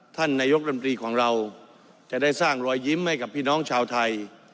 ท่านนายกรมตรีของเราจะได้สร้างรอยยิ้มให้กับพี่น้องชาวไทย